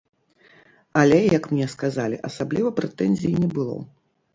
Але, як мне сказалі, асабліва прэтэнзій не было.